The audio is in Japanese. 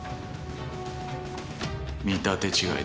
見立て違いだ。